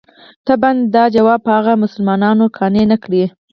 طبعاً دا ځواب به هغه مسلمانان قانع نه کړي.